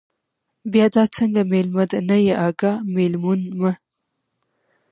بیا دا څنگه مېلمه دے، نه يې اگاه، مېلمون مه